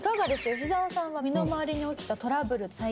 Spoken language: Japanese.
吉沢さんは身の回りに起きたトラブル最近ありますか？